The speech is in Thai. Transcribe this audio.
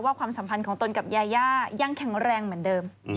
ความสัมพันธ์ของตนกับยายายังแข็งแรงเหมือนเดิม